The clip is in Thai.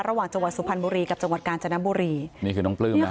จังหวัดสุพรรณบุรีกับจังหวัดกาญจนบุรีนี่คือน้องปลื้มนะ